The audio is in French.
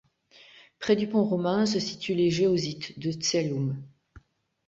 Près du pont romain se situe le géosite de Tsailleun.